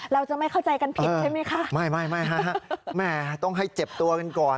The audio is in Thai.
เราจะไม่เข้าใจกันผิดใช่ไหมคะไม่ไม่ฮะแหมต้องให้เจ็บตัวกันก่อน